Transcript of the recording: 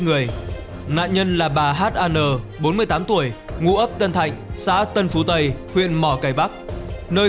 người nạn nhân là bà h a n bốn mươi tám tuổi ngụ ấp tân thạnh xã tân phú tây huyện mỏ cài bắc nơi